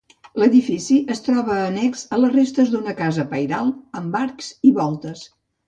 L'edifici es troba annex a les restes d'una casa pairal amb arcs i voltes.